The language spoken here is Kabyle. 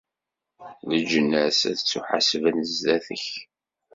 Leǧnas ad ttuḥasben sdat-k!